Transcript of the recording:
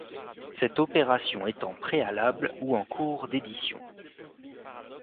Cette opération étant préalable ou en cours d'édition.